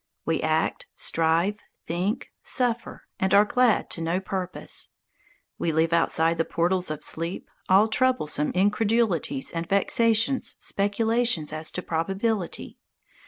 We act, strive, think, suffer and are glad to no purpose. We leave outside the portals of Sleep all troublesome incredulities and vexatious speculations as to probability.